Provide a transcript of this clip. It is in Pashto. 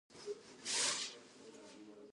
پروګرامر بالښت یو څه ښکته کړ